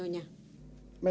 memangnya nyonya ada di mana